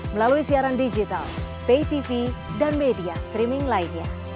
melalui siaran digital pay tv dan media streaming lainnya